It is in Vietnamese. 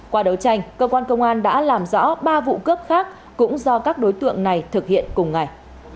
qua đấu tranh cơ quan công an đã làm rõ ba vụ cướp khác cũng do các đối tượng này thực hiện cùng ngày